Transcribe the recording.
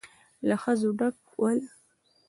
له ښځو ډک ول.